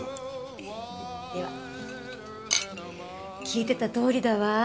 聞いてたとおりだわ。